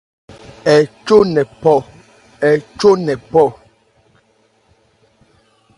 Ń jɔ nkɛ phɔ.